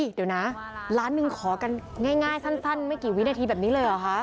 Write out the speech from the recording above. เดี๋ยวนะล้านหนึ่งขอกันง่ายสั้นไม่กี่วินาทีแบบนี้เลยเหรอคะ